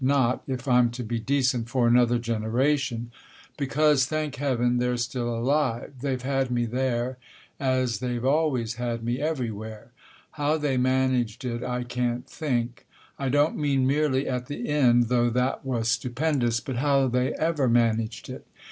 Not if I'm to be decent for another generation, because, thank Heaven, they're still alive. (They've had me there, as they've always had me every where.) How they managed it I can't think. I don't mean merely at the end, though that was stupendous, but how they ever managed it.